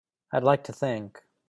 I'd like to think.